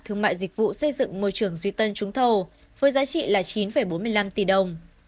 thương mại dịch vụ xây dựng môi trường duy tân trúng thầu với giá trị là chín bốn mươi năm tỷ đồng